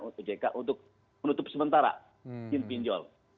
ock untuk menutup sementara pinjol